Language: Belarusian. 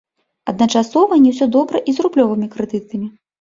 Адначасова не ўсё добра і з рублёвымі крэдытамі.